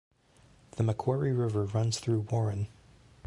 The Macquarie River runs through Warren.